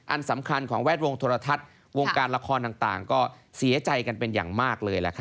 อันสำคัญของแวดวงโทรทัศน์วงการละครต่างก็เสียใจกันเป็นอย่างมากเลย